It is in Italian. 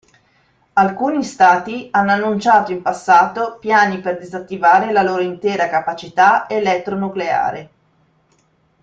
Alcuni Stati hanno annunciato in passato piani per disattivare la loro intera capacità elettro-nucleare.